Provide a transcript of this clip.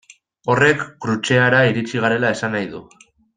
Horrek Krutxeara iritsi garela esan nahi du.